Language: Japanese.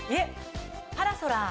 パラソラー。